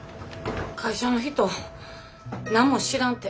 会社の人何も知らんて。